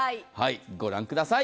ご覧ください。